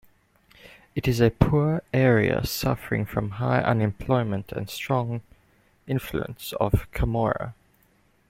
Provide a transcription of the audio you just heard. It is a poor area, suffering from high unemployment and strong influence of Camorra.